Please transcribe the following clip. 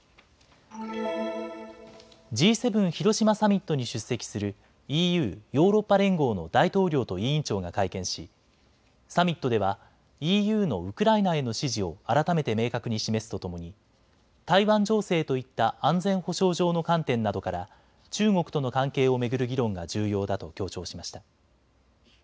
Ｇ７広島サミットに出席するＥＵ・ヨーロッパ連合の大統領と委員長が会見しサミットではＥＵのウクライナへの支持を改めて明確に示すとともに台湾情勢といった安全保障上の観点などから中国との関係を巡る議論が重要だと強調しました。